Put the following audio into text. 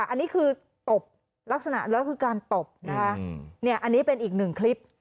อันนี้คือตบลักษณะแล้วคือการตบนะคะอันนี้เป็นอีกหนึ่งคลิป